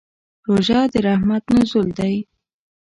روژه د رحمت نزول دی.